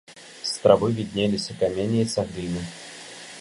З травы віднеліся каменне і цагліны.